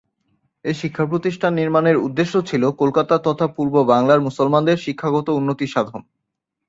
এ শিক্ষা প্রতিষ্ঠান নির্মাণের উদ্দেশ্য ছিল কলকাতা তথা পূর্ব বাংলার মুসলমানদের শিক্ষাগত উন্নতি সাধন।